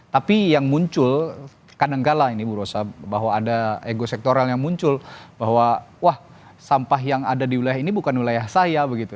tapi yang muncul kadangkala ini bu rosa bahwa ada ego sektoral yang muncul bahwa wah sampah yang ada di wilayah ini bukan wilayah saya begitu